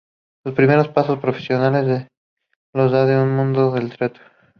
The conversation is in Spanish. Sus primeros pasos profesionales los da en el mundo del teatro.